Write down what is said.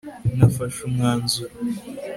nafashe umwanzuro